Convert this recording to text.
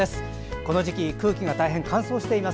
この時期空気が大変乾燥しています。